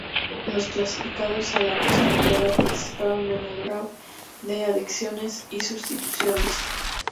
Los clasificados a la postemporada participaron en el draft de adiciones y sustituciones.